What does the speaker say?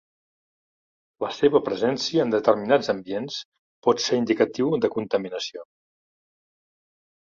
La seva presència en determinats ambients pot ser indicatiu de contaminació.